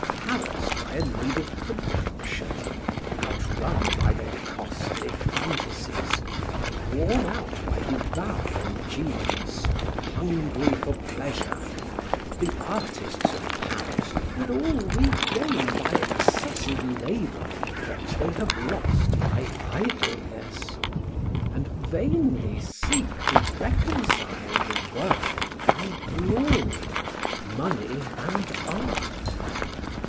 Harassed by a need of production, outrun by their costly fantasies, worn out by devouring genius, hungry for pleasure, the artists of Paris would all regain by excessive labor what they have lost by idleness, and vainly seek to reconcile the world and glory, money and art.